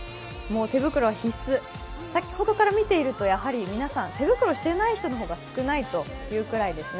手袋は必須、先ほどから見ていると、皆さん、手袋していない人の方が少ない感じですね。